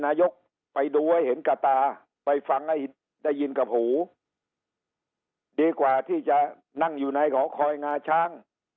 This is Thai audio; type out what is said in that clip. นายกไปดูให้เห็นกับตาไปฟังให้ได้ยินกับหูดีกว่าที่จะนั่งอยู่ในหอคอยงาช้าง